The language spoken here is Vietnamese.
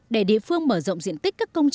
để địa phương mở rộng diện tích các công trình